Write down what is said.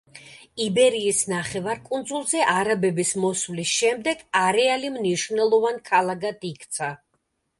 იბერიის ნახევარკუნძულზე არაბების მოსვლის შემდეგ, არეალი მნიშვნელოვან ქალაქად იქცა.